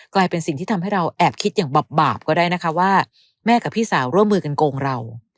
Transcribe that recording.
กลายเป็นสิ่งที่ทำให้เราแอบคิดอย่างบาปก็ได้นะคะว่าแม่กับพี่สาวร่วมมือกันโกงเรา